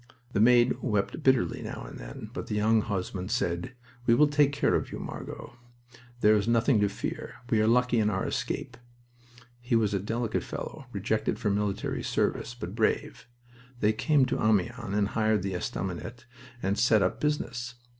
The maid wept bitterly now and then, but the young husband said: "We will take care of you, Margot. There is nothing to fear. We are lucky in our escape." He was a delicate fellow, rejected for military service, but brave. They came to Amiens, and hired the estaminet and set up business.